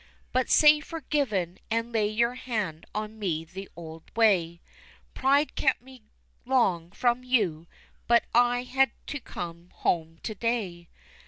But say forgiven, and lay your hand on me in the old way; Pride kept me long from you, but I had to come home to day."